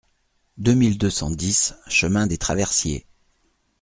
deux mille deux cent dix chemin des Traversiers